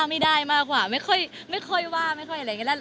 ว่าไม่ได้มากค่ะไม่ค่อยว่าไม่ค่อยอะไรอย่างนี้